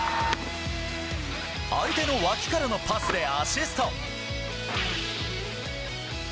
相手の脇からのパスでアシスト。